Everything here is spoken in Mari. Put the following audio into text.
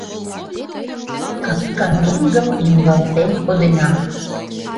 Капка меҥгым лӱҥгалтен кодена.